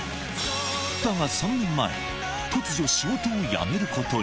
だが３年前、突如、仕事を辞めることに。